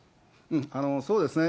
そうですね。